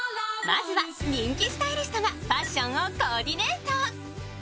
まずは人気スタイリストがファッションをコーディネート。